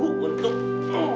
mama bantuin aku untuk